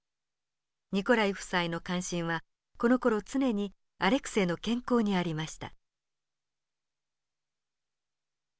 ニコライ夫妻の関心はこのころ常にアレクセイの健康にありました。